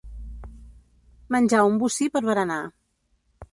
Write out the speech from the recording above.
Menjar un bocí per berenar.